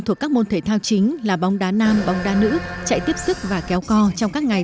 thuộc các môn thể thao chính là bóng đá nam bóng đá nữ chạy tiếp sức và kéo co trong các ngày